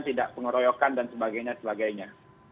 tidak pengoroyokan dan sebagainya